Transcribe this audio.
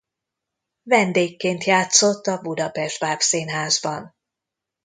Vendégként játszott a Budapest Bábszínházban.